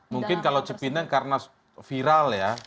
mungkin kalau cipinang karena viral ya